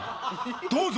どうぞ！